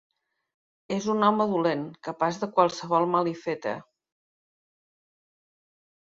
És un home dolent, capaç de qualsevol malifeta!